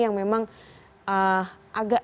yang memang agak